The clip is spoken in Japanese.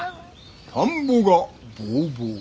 田んぼがボウボウ。